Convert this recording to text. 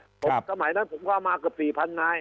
สมัยนั้นผมก็มาเกือบ๔๐๐๐นาย